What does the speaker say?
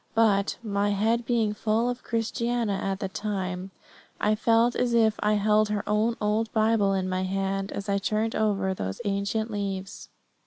But, my head being full of Christiana at the time, I felt as if I held her own old Bible in my hand as I turned over those ancient leaves.